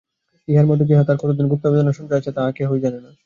ইহার মধ্যে যে তাহার কত দিনের গুপ্তবেদনার সঞ্চয় আছে তাহা কেহই জানে না।